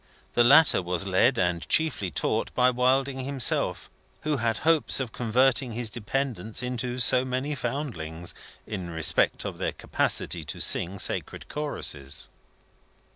The latter was led, and chiefly taught, by Wilding himself: who had hopes of converting his dependents into so many Foundlings, in respect of their capacity to sing sacred choruses.